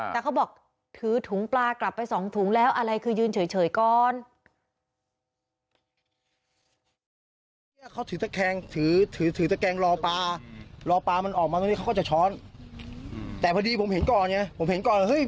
แต่เขาบอกถือถุงปลากลับไป๒ถุงแล้วอะไรคือยืนเฉยก่อน